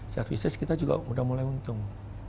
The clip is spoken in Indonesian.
services kita juga sudah mulai untung